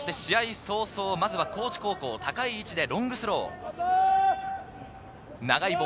早々、高知高校高い位置でロングスロー。